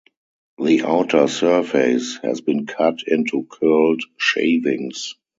The outer surface has been cut into curled shavings.